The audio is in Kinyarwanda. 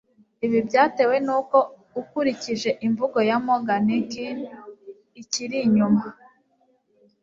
Ibi byatewe nuko ukurikije imvugo ya Morgan kin ikiri inyuma